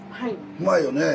うまいよねえ。